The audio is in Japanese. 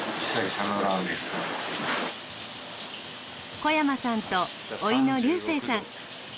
小山さんとおいの龍聖さん。